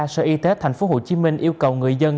sở y tế tp hcm yêu cầu người dân